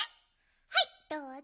はいどうぞ！